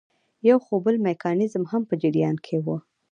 خو یو بل میکانیزم هم په جریان کې وو.